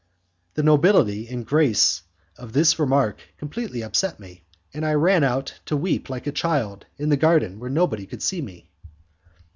The nobility and grace of this remark completely upset me, and I ran out to weep like a child, in the garden where no one could see me.